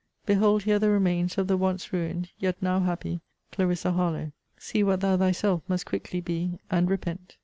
behold here the remains of the once ruined, yet now happy, Clarissa Harlowe! See what thou thyself must quickly be; and REPENT!